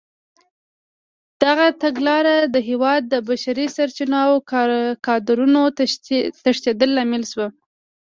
دغه تګلاره له هېواده د بشري سرچینو او کادرونو تېښتې لامل شوه.